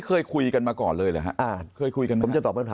มุมนักวิจักรการมุมประชาชนทั่วไป